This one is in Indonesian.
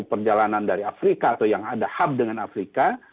perjalanan dari afrika atau yang ada hub dengan afrika